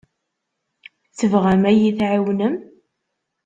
Tebɣam ad iyi-tɛiwnem?